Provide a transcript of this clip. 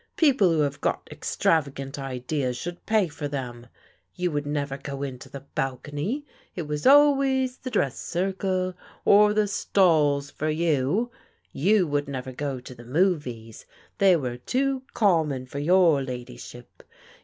People who have got extravagant ideas should pay for them. You would never go into the bal cony. It was always the dress circle or the stalls for you. You would never go to the movies ; they were too common for your ladyship.